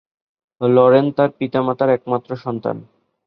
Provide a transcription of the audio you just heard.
Lauren তার পিতামাতার একমাত্র সন্তান।